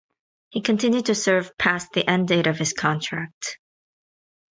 He continued to serve past the end date of his contract.